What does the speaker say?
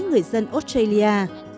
người dân australia